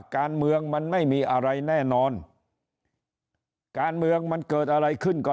การเมืองมันไม่มีอะไรแน่นอนการเมืองมันเกิดอะไรขึ้นก็